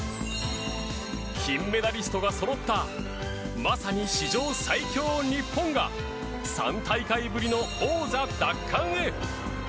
金メダリストがそろったまさに史上最強日本が３大会ぶりの王座奪還へ！